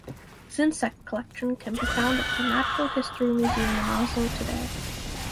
His insect collection can be found at the Natural History Museum in Oslo today.